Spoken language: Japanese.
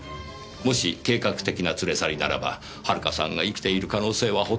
もし計画的な連れ去りならば遥さんが生きている可能性はほとんどないと。